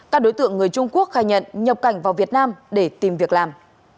các đối tượng người trung quốc khai nhận nhập cảnh vào việt nam để tìm việc làm